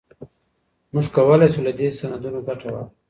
موږ کولای سو له دې سندونو ګټه واخلو.